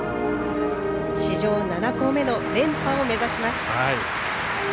史上７校目の連覇を目指します。